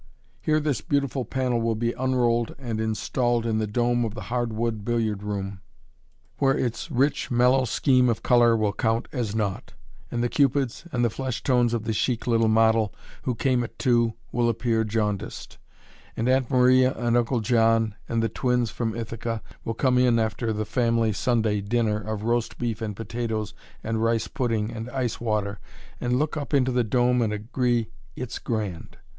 Here this beautiful panel will be unrolled and installed in the dome of the hard wood billiard room, where its rich, mellow scheme of color will count as naught; and the cupids and the flesh tones of the chic little model, who came at two, will appear jaundiced; and Aunt Maria and Uncle John, and the twins from Ithaca, will come in after the family Sunday dinner of roast beef and potatoes and rice pudding and ice water, and look up into the dome and agree "it's grand."